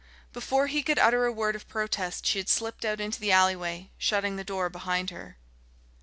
Before he could utter a word of protest she had slipped out into the alleyway, shutting the door behind her.